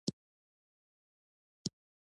آمو سیند د افغان کورنیو د دودونو مهم عنصر دی.